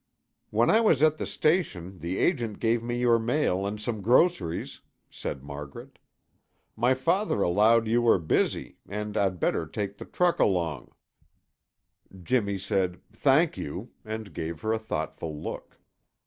"When I was at the station the agent gave me your mail and some groceries," said Margaret. "My father allowed you were busy, and I'd better take the truck along." Jimmy said, "Thank you," and gave her a thoughtful look.